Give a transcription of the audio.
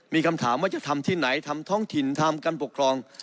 มีคำถามว่าจะทำที่ไหนทำท้องถิ่นทำการปกครอง